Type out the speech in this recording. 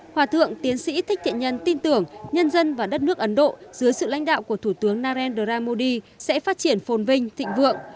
hòa thượng tiến sĩ thích thiện nhân tin tưởng nhân dân và đất nước ấn độ dưới sự lãnh đạo của thủ tướng narendra modi sẽ phát triển phồn vinh thịnh vượng